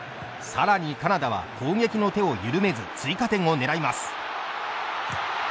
さらにカナダは攻撃の手を緩めず追加点をねらいます。